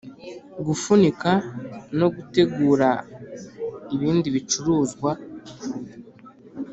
gufunika no gutegura ibindi bicuruzwa